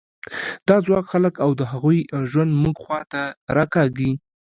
دا ځواک خلک او د هغوی ژوند موږ خوا ته راکاږي.